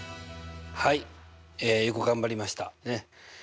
はいよく頑張りました。